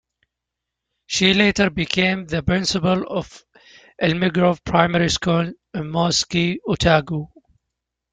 She later became the principal of Elmgrove primary school in Mosgiel, Otago.